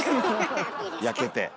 焼けて。